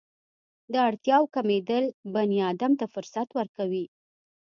د اړتیاوو کمېدل بني ادم ته فرصت ورکوي.